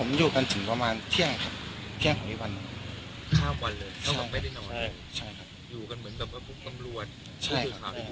ผู้ถือข่าวที่อยู่ตรงนั้นเลย